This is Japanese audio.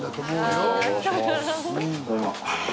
ただいま。